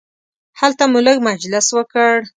هلته مو لږ مجلس وکړ.